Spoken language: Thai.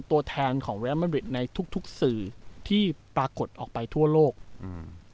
ตัวแทนของเรียลมาริดในทุกทุกสื่อที่ปรากฏออกไปทั่วโลกอืม